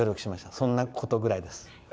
そんなことぐらいです。